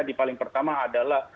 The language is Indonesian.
di paling pertama adalah